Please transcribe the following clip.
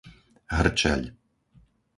Hrčeľ